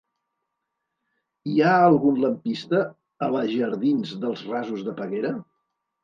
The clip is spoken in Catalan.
Hi ha algun lampista a la jardins dels Rasos de Peguera?